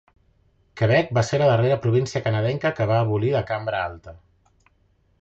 Quebec va ser la darrera província canadenca que va abolir la Cambra Alta.